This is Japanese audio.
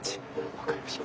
分かりました。